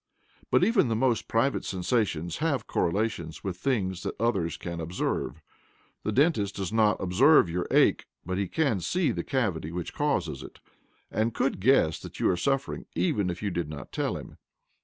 But even the most private sensations have correlations with things that others can observe. The dentist does not observe your ache, but he can see the cavity which causes it, and could guess that you are suffering even if you did not tell him.